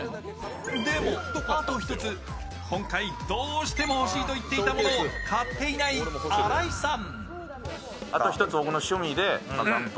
でもあと一つ今回どうしても欲しいと言っていたものを買っていない新井さん。